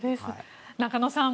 中野さん